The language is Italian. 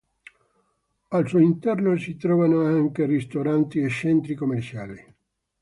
Al suo interno si trovano anche ristoranti e centri commerciali.